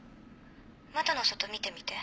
窓の外見てみて。